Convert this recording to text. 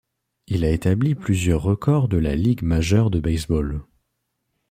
Il a établi plusieurs records de la Ligue majeure de baseball.